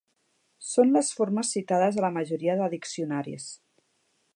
Són les formes citades a la majoria de diccionaris.